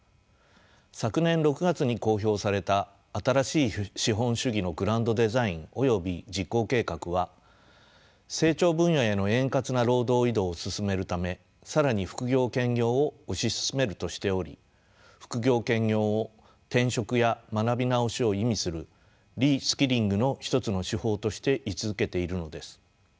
昨年６月に公表された新しい資本主義のグランドデザインおよび実行計画は成長分野への円滑な労働移動を進めるため更に副業・兼業を推し進めるとしており副業・兼業を転職や学び直しを意味するリスキリングの一つの手法として位置づけているのです。